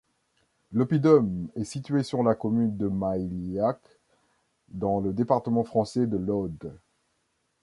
L'oppidum est situé sur la commune de Mailhac, dans le département français de l'Aude.